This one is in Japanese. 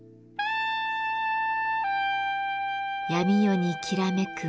闇夜にきらめく